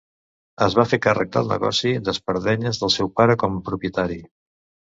Es va fer càrrec del negoci d'espardenyes del seu pare com a propietari.